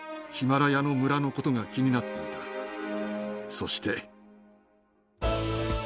そして。